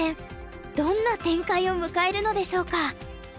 どんな展開を迎えるのでしょうか。